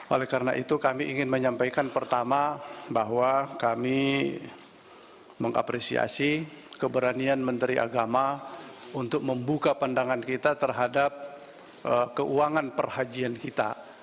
oleh karena itu kami ingin menyampaikan pertama bahwa kami mengapresiasi keberanian menteri agama untuk membuka pandangan kita terhadap keuangan perhajian kita